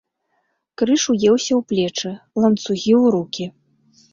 Крыж уеўся ў плечы, ланцугі у рукі!